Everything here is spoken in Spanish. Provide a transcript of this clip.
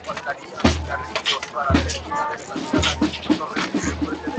Grabó dos baladas irlandesas como fueron "Danny Boy" y "Maureen".